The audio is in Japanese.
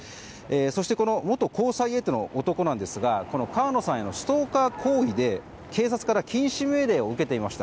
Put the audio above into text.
そして、元交際相手の男は川野さんへのストーカー行為で警察から禁止命令を受けていました。